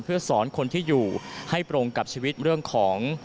เพื่อสอนคนที่อยู่ให้ตรงกับชีวิตเรื่องของ